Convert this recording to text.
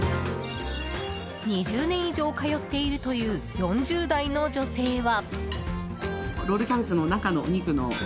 ２０年以上通っているという４０代の女性は。